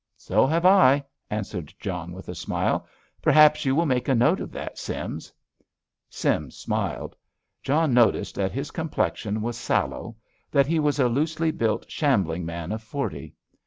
"So have I," answered John, with a smile. "Perhaps you will make a note of that, Sims." Sims smiled. John noticed that his complexion was sallow, that he was a loosely built, shambling man of forty.